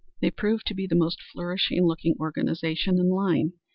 They proved to be the most flourishing looking organization in line.